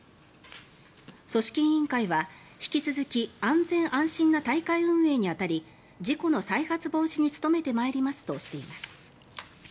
組織委員会は引き続き安全安心な大会運営に当たり事故の再発防止に努めてまいりますとしています。